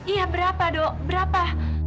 iya berapa dok berapa